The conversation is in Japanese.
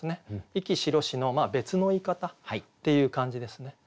「息白し」の別の言い方っていう感じですね。